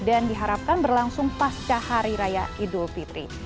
dan diharapkan berlangsung pasca hari raya idul fitri